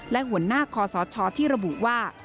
และหัวหน้าคอสชที่ระบุว่า